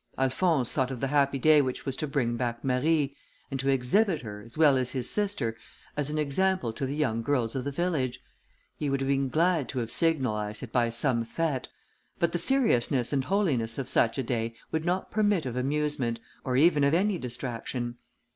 Alphonse thought of the happy day which was to bring back Marie, and to exhibit her, as well as his sister, as an example to the young girls of the village. He would have been glad to have signalized it by some fête, but the seriousness and holiness of such a day would not permit of amusement, or even of any distraction.